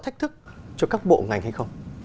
thách thức cho các bộ ngành hay không